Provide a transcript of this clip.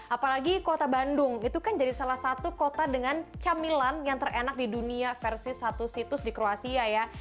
apalagi kota bandung itu kan jadi salah satu kota dengan camilan yang terenak di dunia versus satu situs di kroasia ya